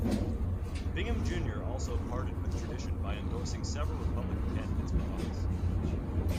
Bingham Junior also parted with tradition by endorsing several Republican candidates for office.